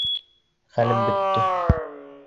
Хәлем бөттө!